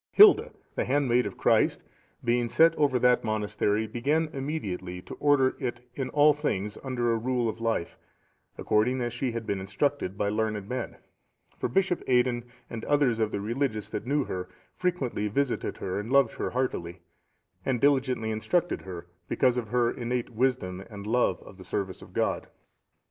Hilda, the handmaid of Christ, being set over that monastery, began immediately to order it in all things under a rule of life, according as she had been instructed by learned men; for Bishop Aidan, and others of the religious that knew her, frequently visited her and loved her heartily, and diligently instructed her, because of her innate wisdom and love of the service of God.